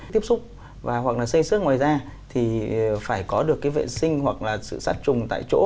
tiếp xúc và hoặc là xây xước ngoài da thì phải có được cái vệ sinh hoặc là sự sát trùng tại chỗ